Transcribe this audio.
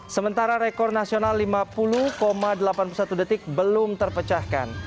sementara rekor nasional lima puluh delapan puluh satu detik belum terpecahkan